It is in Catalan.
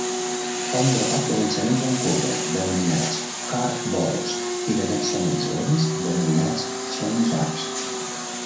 Fa un grapat de llançaments en corba, denominats "curveballs", i de llançaments lents, denominats "changeups".